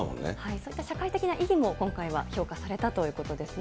そういった社会的な意義も今回は評価されたということですね。